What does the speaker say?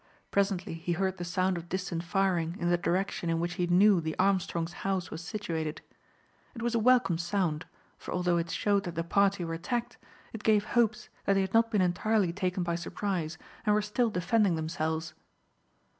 Presently he heard the sound of distant firing in the direction in which he knew the Armstrong's house was situated. It was a welcome sound, for although it showed that the party were attacked, it gave hopes that they had not been entirely taken by surprise, and were still defending themselves.